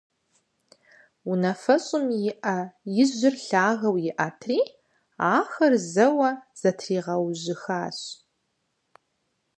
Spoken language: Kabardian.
Унафэщӏым и Ӏэ ижьыр лъагэу иӀэтри, ахэр зэуэ зэтригъэужьыхащ.